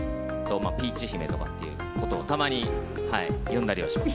ピーチ姫とかっていうことをたまに呼んだりはします。